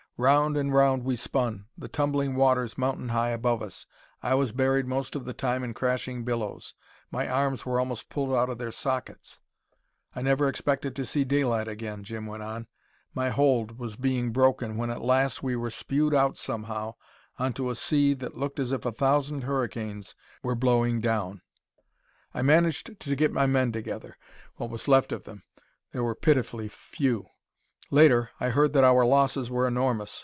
Round and round we spun, the tumbling waters mountain high above us. I was buried most of the time in crashing billows; my arms were almost pulled out of their sockets. "I never expected to see daylight again," Jim went on. "My hold was being broken when at last we were spewed out somehow onto a sea that looked as if a thousand hurricanes were blowing down. "I managed to get my men together what was left of them. There were pitifully few. Later, I heard that our losses were enormous.